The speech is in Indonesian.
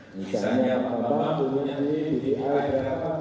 misalnya apa apa punya diri diri saya berapa